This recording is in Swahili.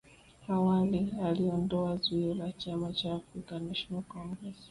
awali aliondoa zuio la chama cha African national Congress